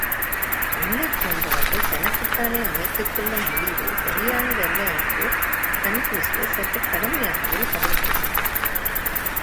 உன்னைப் போன்றவர்கள் தனக்குத்தானே அமைத்து கொள்ளும் முடிவு சரியானதல்ல என்று கன்பூசியஸ் சற்றுக் கடுமையாகவே பதில் கூறினார்.